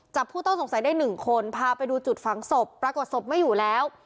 ผู้ต้องสงสัยได้หนึ่งคนพาไปดูจุดฝังศพปรากฏศพไม่อยู่แล้ว